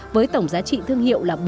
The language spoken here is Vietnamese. với tổng giá trị thương hiệu là